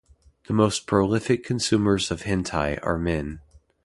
The most prolific consumers of hentai are men.